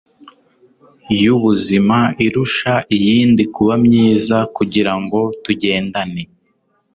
yubuzima irusha iyindi kuba myiza kugira ngo tugendane